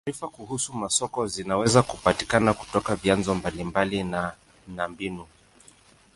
Taarifa kuhusu masoko zinaweza kupatikana kutoka vyanzo mbalimbali na na mbinu.